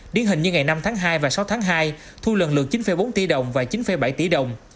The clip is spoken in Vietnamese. điển hình như ngày năm tháng hai và sáu tháng hai thu lần lượt chín bốn tỷ đồng và chín bảy tỷ đồng